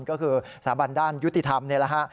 ก็คือสถาบันด้านยุติธรรมนี่แหละฮะ